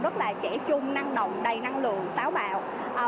rất là trẻ trung năng động đầy năng lượng táo bạo